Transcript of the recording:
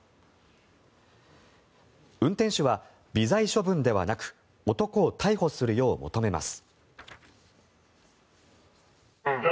運転手は微罪処分ではなく男を逮捕するよう求めます。